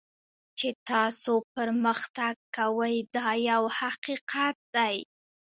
چې تاسو پرمختګ کوئ دا یو حقیقت دی.